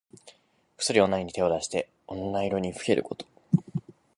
こっそり女に手を出して女色にふけること。